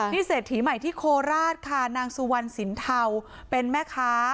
นี่เศรษฐีใหม่ที่โคราชค่ะนางสุวรรณสินเทาเป็นแม่ค้า